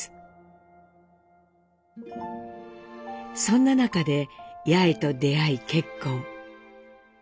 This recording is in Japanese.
そんな中で八重と出会い結婚。